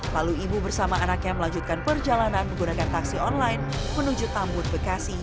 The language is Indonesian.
lalu ibu bersama anaknya melanjutkan perjalanan menggunakan taksi online menuju tambun bekasi